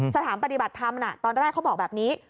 สถานปฏิบัติธรรมตอนแรกเขาบอกแบบนี้